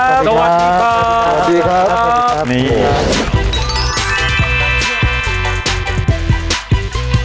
สวัสดีครับสวัสดีครับสวัสดีครับสวัสดีครับนี่